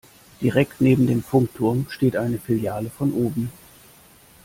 Direkt neben dem Funkturm steht eine Filiale von Obi.